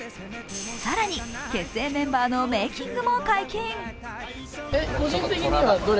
更に、結成メンバーのメーキングも解禁。